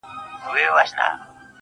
سترگي دي پټي كړه ويدېږمه زه.